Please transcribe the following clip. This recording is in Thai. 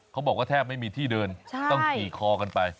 เขาบอกว่าแทบไม่มีที่เดินต้องขี่คอกันไป